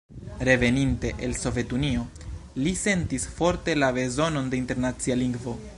Reveninte el Sovetunio, li sentis forte la bezonon de internacia lingvo.